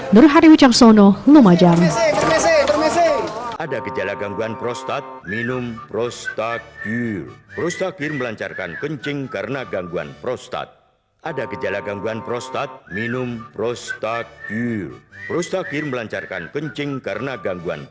nurhadi wicaksono lumajang